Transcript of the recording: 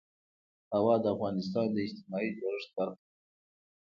هوا د افغانستان د اجتماعي جوړښت برخه ده.